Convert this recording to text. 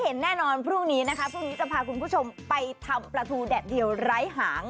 เห็นแน่นอนพรุ่งนี้นะคะพรุ่งนี้จะพาคุณผู้ชมไปทำปลาทูแดดเดียวไร้หาง